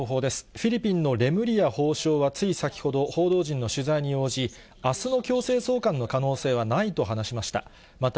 フィリピンのレムリヤ法相はつい先ほど、報道陣の取材に応じ、あすの強制送還の可能性はないと話しました。